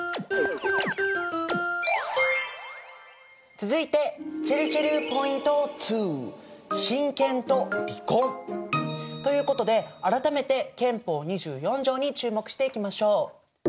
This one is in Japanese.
続いてちぇるちぇるポイント２。ということで改めて憲法２４条に注目していきましょう。